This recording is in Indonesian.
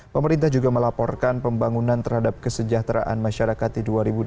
pemerintah juga melaporkan pembangunan terhadap kesejahteraan masyarakat di dua ribu dua puluh